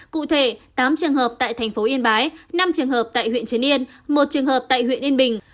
cụ thể tám trường hợp tại thành phố yên bái năm trường hợp tại huyện trấn yên một trường hợp tại huyện yên bình